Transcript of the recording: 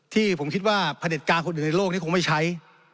ที่ผมคิดว่าพระเด็จการคนอื่นในโลกนี้คงไม่ใช้